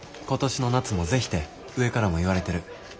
今年の夏も是非て上からも言われてる。